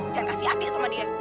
jangan kasih hati sama dia